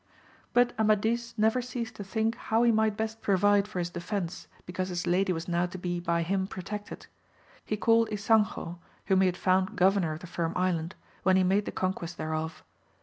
UT Amadis never ceased to think how he might best provide for his defence because his lady was now to be by him protected. He called Ysanjo, whom he had found governor of the Firm Island when he made the conquest thereof.